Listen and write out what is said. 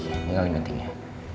ini kali meetingnya